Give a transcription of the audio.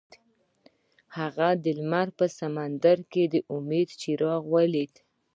هغه د لمر په سمندر کې د امید څراغ ولید.